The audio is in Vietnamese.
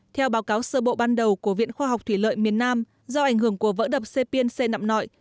theo báo cáo sơ bộ ban đầu của viện khoa học thủy lợi miền nam do ảnh hưởng của vỡ đập sê piên xê nạm nội